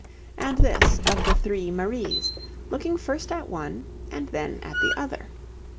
and this of the Three Maries, looking first at one and then at the other.